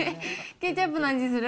ケチャップの味がする。